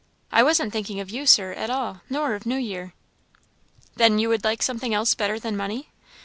I wasn't thinking of you, Sir, at all, nor of New Year." "Then you would like something else better than money."